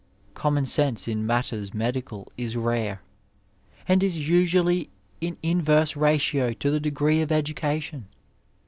Common sense in matters medical is rare, and is usually in inverse ratio to the degree of education.